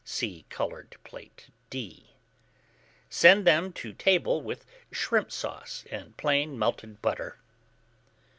(See Coloured Plate D.) Send them to table with shrimp sauce and plain melted butter.